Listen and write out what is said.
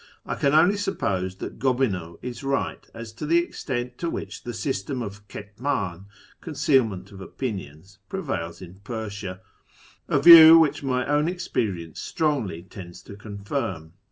I can only suppose that Gobineau is right as to the extent to which the system of '^Jcetmdn" (concealment of opinions) prevails in Persia, — a view which my own experience strongly tends to confirm.